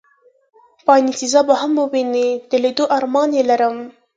باینیسیزا به هم ووینې، د لېدو ارمان یې لرم.